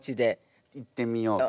行ってみようと。